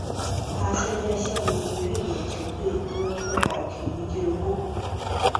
他现在效力于瑞典球队哥特堡体育俱乐部。